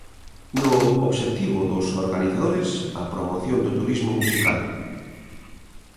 No obxectivo dos organizadores, a promoción do turismo musical.